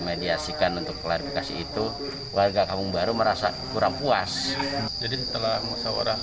mediasikan untuk klarifikasi itu warga kampung baru merasa kurang puas jadi setelah musawarah